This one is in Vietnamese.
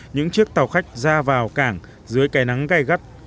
những chiếc tàu khách ra vào cảng dưới cây nắng gai gắt